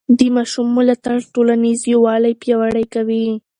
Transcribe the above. د ماشوم ملاتړ ټولنیز یووالی پیاوړی کوي.